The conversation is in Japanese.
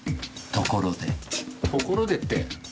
ところでって。